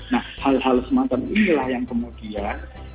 nah hal hal semacam inilah yang kemudian